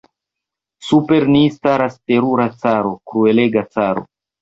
Super ni staras terura caro, kruelega caro.